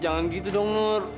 jangan gitu dong nur